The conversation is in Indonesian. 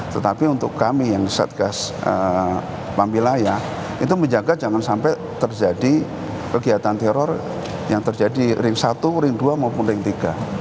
tetapi untuk kami yang satgas pamwilaya itu menjaga jangan sampai terjadi kegiatan teror yang terjadi ring satu ring dua maupun ring tiga